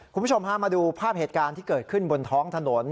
คุณผู้ชมพามาดูภาพเหตุการณ์ที่เกิดขึ้นบนท้องถนน